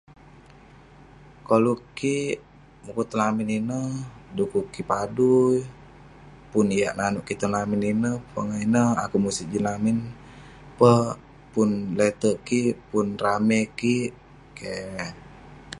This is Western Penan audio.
Koluek kik mukuk tong lamin ineh dukuk kik padui pun yah nanuek kik ineh pun eh nanuek kik tong lamin ineh pogah ineh musit Jin lamin peh pun keleteik kik pun rame kik keh